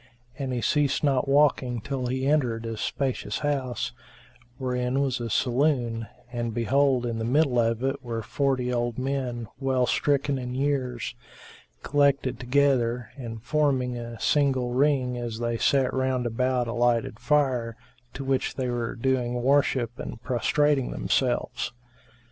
And he ceased not walking till he entered a spacious house, wherein was a saloon and behold, in the middle of it were forty old men, well stricken in years, collected together and forming a single ring as they sat round about a lighted fire, to which they were doing worship and prostrating themselves.